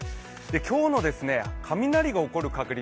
今日の雷が起こる確率